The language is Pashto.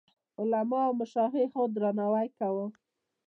د علماوو او مشایخو درناوی کاوه.